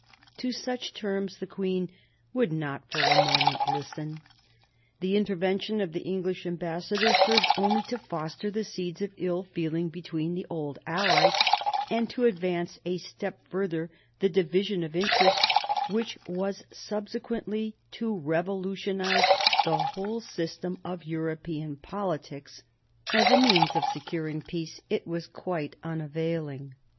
To such terms the queen would not for a moment listen. The intervention of the English ambassador served only to foster the seeds of ill feeling between the old allies, and to advance a step further the division of interest which was subsequently to revolutionise the whole system of European politics ; as a means of securing peace it was quite unavailing.